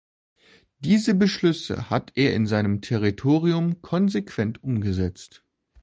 Diese Beschlüsse hat er in seinem Territorium konsequent umgesetzt.